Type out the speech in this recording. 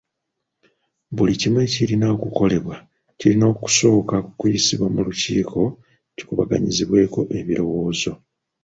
Buli kimu ekirina okukolebwa kirina kusooka kuyisibwa mu lukiiko kikubaganyizibweko ebirowoozo.